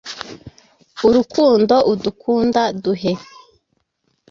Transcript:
urukundo udukunda, duhe